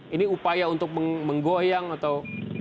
ini upaya untuk menggoyang atau